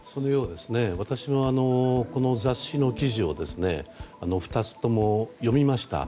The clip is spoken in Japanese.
私も、この雑誌の記事を２つとも読みました。